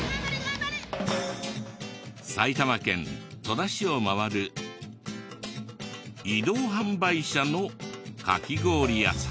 埼玉県戸田市を回る移動販売車のカキ氷屋さん。